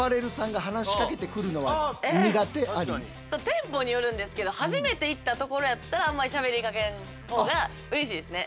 店舗によるんですけど初めて行ったところやったらあんまりしゃべりかけんほうがうれしいですね。